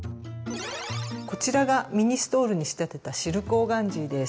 こちらがミニストールに仕立てたシルクオーガンジーです。